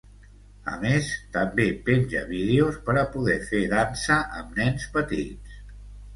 A més, també penja vídeos per a poder fer dansa amb nens petits.